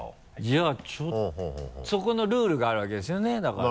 じゃあそこのルールがあるわけですよねだから。